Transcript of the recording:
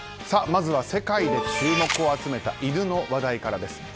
まずは世界で注目を集めた犬の話題からです。